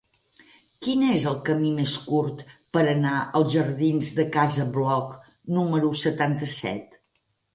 Quin és el camí més curt per anar als jardins de Casa Bloc número setanta-set?